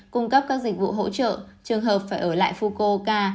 cung cấp các dịch vụ hỗ trợ trường hợp phải ở lại fukoka